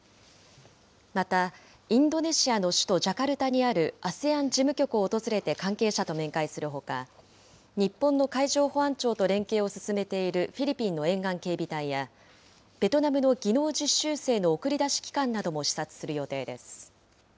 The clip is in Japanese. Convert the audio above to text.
またインドネシアの首都ジャカルタにあるＡＳＥＡＮ事務局を訪れて関係者と面会するほか、日本の海上保安庁と連携を進めているフィリピンの沿岸警備隊や、ベトナムの技能実習生の送り出し機関なども視察する予定です。